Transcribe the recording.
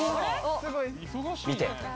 見て。